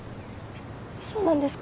そうなんですか。